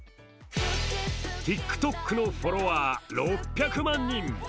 ＴｉｋＴｏｋのフォロワー６００万人！